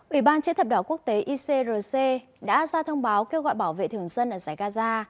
ủy ban chế thập đỏ quốc tế icrc đã ra thông báo kêu gọi bảo vệ thường dân ở giải gaza